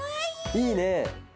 いいね！